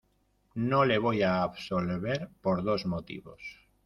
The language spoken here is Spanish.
no le voy a absolver por dos motivos: